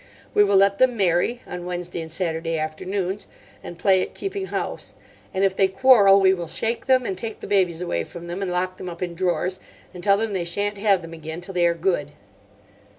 We will let them marry (on Wednesday and Saturday afternoons), and play at keeping house. And if they quarrel we will shake them and take the babies away from them, and lock them up in drawers, and tell them they sha'n't have them again till they are good."